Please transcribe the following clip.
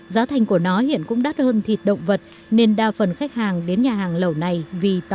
giá thành của nó hiện cũng đắt hơn thịt động vật nên đa phần khách hàng đến nhà hàng lẩu này vì tỏ ra